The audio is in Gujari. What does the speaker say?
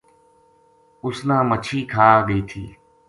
اُس نا مچھی کھا گئی تھی